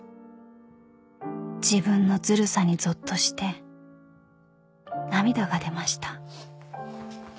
［自分のずるさにぞっとして涙が出ました］